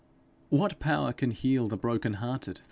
'What power can heal the broken hearted?'